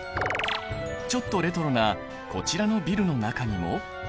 ちょっとレトロなこちらのビルの中にも。